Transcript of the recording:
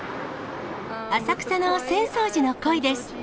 浅草の浅草寺のコイです。